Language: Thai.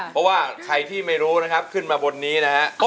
เพราะว่าใครที่ไม่รู้นะครับขึ้นมาบนนี้นะฮะ